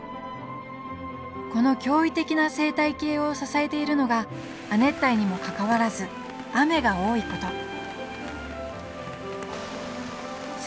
この驚異的な生態系を支えているのが亜熱帯にもかかわらず雨が多いこと